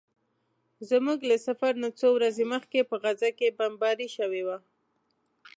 زموږ له سفر نه څو ورځې مخکې په غزه کې بمباري شوې وه.